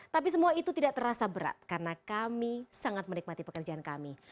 tapi semua itu tidak terasa berat karena kami sangat menikmati pekerjaan kami